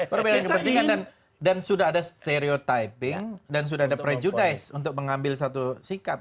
perbedaan kepentingan dan sudah ada stereotyping dan sudah ada prejudice untuk mengambil satu sikap